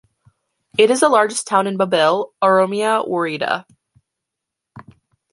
It is the largest town in Babille, Oromia woreda.